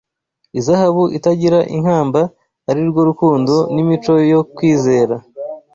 izahabu itagira inkamba, ari rwo rukundo n’imico yo kwizera.